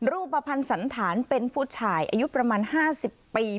รูปภัณฑ์สันฐานเป็นผู้ชายอายุประมาณ๕๐ปี